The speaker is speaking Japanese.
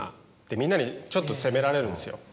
みんなにちょっと責められるんですよ。